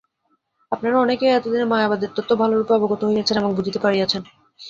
আপনারা অনেকেই এতদিনে মায়াবাদের তত্ত্ব ভালরূপে অবগত হইয়াছেন এবং বুঝিতে পারিয়াছেন।